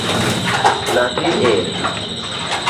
Nyathi ere?